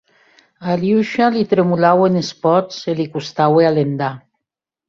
A Aliosha li tremolauen es pòts e li costaue alendar.